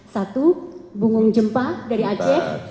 satu bungung jempa dari aceh